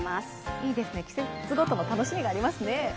いいですね、季節ごとの楽しみがありますね。